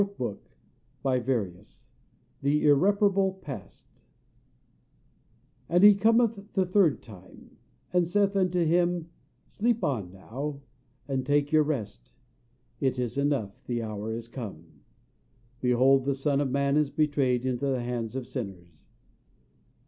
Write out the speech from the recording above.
Henry Newbolt THE IRREPARABLE PAST ("And he cometh the third time, and saith unto them, Sleep on now, and take your rest; it is enough, the hour is come; behold the Son of man is betrayed into the hands of sinners.